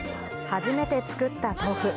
初めて作った豆腐。